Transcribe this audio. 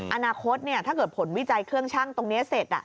อนาคตถ้าเกิดผลวิจัยเครื่องชั่งตรงนี้เสร็จ